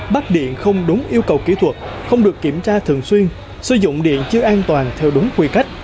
bắt điện không đúng yêu cầu kỹ thuật không được kiểm tra thường xuyên sử dụng điện chưa an toàn theo đúng quy cách